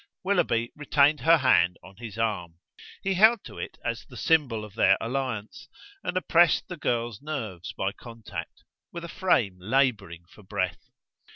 Willoughby retained her hand on his arm; he held to it as the symbol of their alliance, and oppressed the girl's nerves by contact, with a frame labouring for breath.